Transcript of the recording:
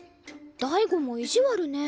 大吾も意地悪ね。